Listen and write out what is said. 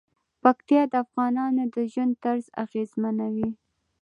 پکتیا د افغانانو د ژوند طرز اغېزمنوي.